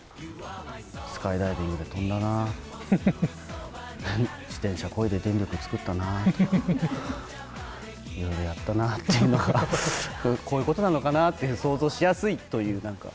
スカイダイビングで飛んだな、自転車こいで電力作ったなとか、いろいろやったなって、こういうことなのかなって想像しやすいという、なんか。